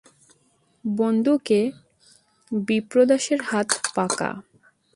বন্দুকে বিপ্রদাসের হাত পাকা।